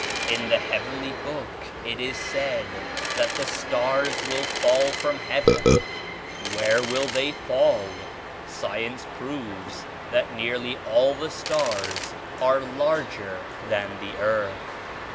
In the Heavenly Book it is said that the * stars will fall from heaven.' Where will they fall? Science proves that nearly all the stars are larger than the earth.